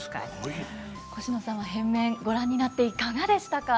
コシノさんは変面ご覧になっていかがでしたか？